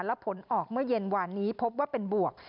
และผลออกเมื่อเย็นวานนี้พบว่าเป็นบวก